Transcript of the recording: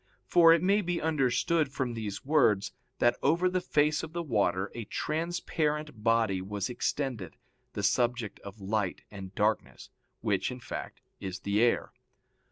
For it may be understood from these words that over the face of the water a transparent body was extended, the subject of light and darkness, which, in fact, is the air.